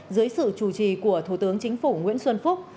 dưới sự chủ trì của thủ tướng chính phủ nguyễn xuân phúc